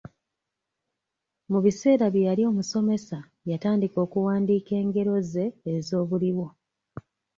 Mu biseera bye yali omusomesa, yatandika okuwandika engero ze ez'obuliwo